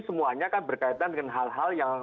semuanya kan berkaitan dengan hal hal yang